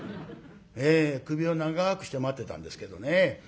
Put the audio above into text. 首を長くして待ってたんですけどね。